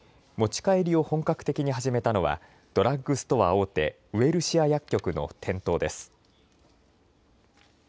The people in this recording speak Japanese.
持ち帰りを本格的に始めたのはドラッグストア大手、ウエルシア薬局の店頭です。